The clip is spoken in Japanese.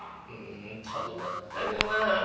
んとにまったくまあ。